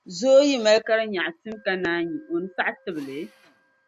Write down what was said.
Zoo yi mali karinyaɣu tim ka naanyi o ni saɣi tibi li?